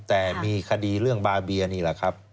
แต่มีคดีเรื่องบาเบียนี่แหละครับ